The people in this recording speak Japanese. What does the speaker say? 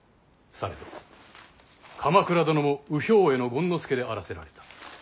されど鎌倉殿も右兵衛権佐であらせられた。